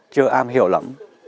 chưa am hiểu lắm